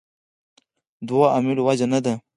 دوو عاملو وجه نه ده.